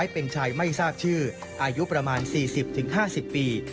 เป็นชายไม่ทราบชื่ออายุประมาณ๔๐๕๐ปี